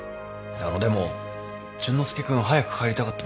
あのでも淳之介君早く帰りたがってます。